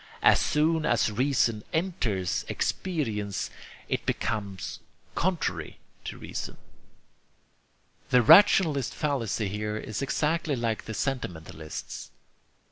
As soon as reason enters experience, it becomes contrary to reason." The rationalist's fallacy here is exactly like the sentimentalist's.